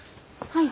はい。